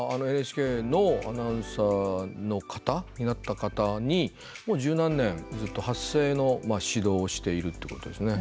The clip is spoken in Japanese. ＮＨＫのアナウンサーになった方に、もう十何年ずっと発声の指導をしているってことですね。